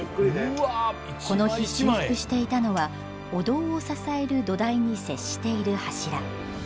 この日修復していたのはお堂を支える土台に接している柱。